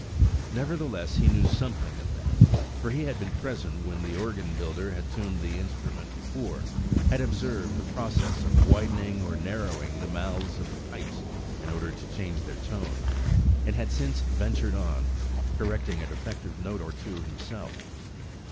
Nevertheless less, he knew something of that, for he had been present when the organ builder had tuned the instrument before, had observed the process of widening or narrowing the mouths of the pipes in order to change their tone, and had since ventured on correcting a defective note or two himself.